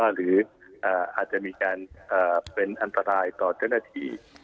หรืออาจจะมีการเป็นอันตรายต่อเจ้าหน้าที่